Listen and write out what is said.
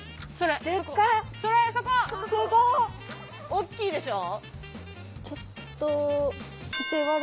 おっきいでしょ？